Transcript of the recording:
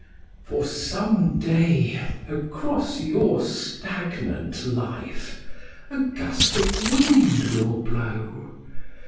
For some day, across your stagnant life, a gust of wind will blow.